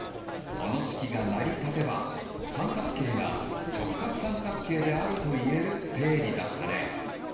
この式が成り立てば三角形が直角三角形であるといえる定理だったね。